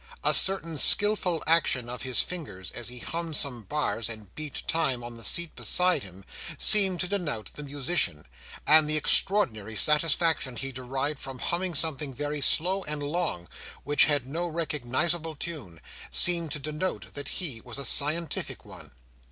A certain skilful action of his fingers as he hummed some bars, and beat time on the seat beside him, seemed to denote the musician; and the extraordinary satisfaction he derived from humming something very slow and long, which had no recognisable tune, seemed to denote that he was a scientific one.